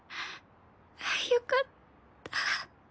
よかった。